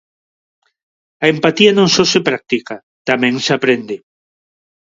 A empatía non só se practica, tamén se aprende.